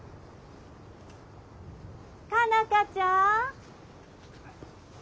佳奈花ちゃん？